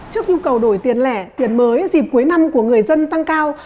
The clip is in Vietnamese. trước nhu cầu đổi tiền lẻ tiền mới dịp cuối năm của người dân tăng cao